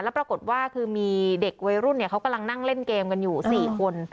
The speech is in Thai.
ปรากฏว่าคือมีเด็กวัยรุ่นเขากำลังนั่งเล่นเกมกันอยู่๔คน